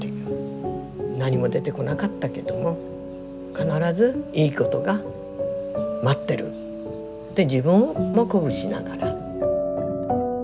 何も出てこなかったけども必ずいいことが待ってるって自分も鼓舞しながら。